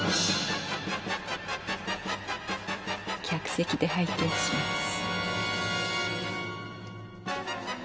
客席で拝見します。